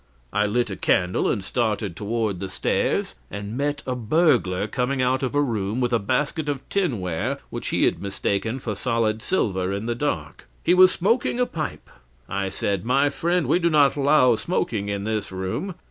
I lit a candle, and started toward the stairs, and met a burglar coming out of a room with a basket of tinware, which he had mistaken for solid silver in the dark. He was smoking a pipe. I said, 'My friend, we do not allow smoking in this room.'